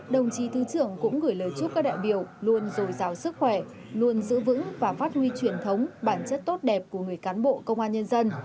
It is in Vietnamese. đồng chí thứ trưởng cũng gửi lời chúc các đại biểu luôn dồi dào sức khỏe luôn giữ vững và phát huy truyền thống bản chất tốt đẹp của người cán bộ công an nhân dân